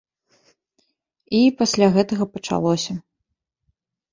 І пасля гэтага пачалося.